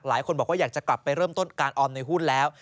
หลายคนบอกว่าอยากจะกลับไปเริ่มต้นการออมในหุ้นแล้ว